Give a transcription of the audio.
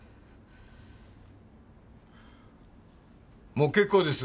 もう結構です。